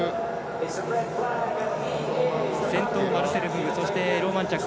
先頭マルセル・フグそしてローマンチャック。